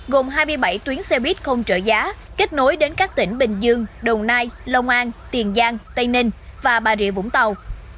gồm hai mươi bảy tuyến xe buýt không trợ giá kết nối đến các tỉnh bình dương đồng nai lông an tiền giang tây ninh và bà rịa vũng tàu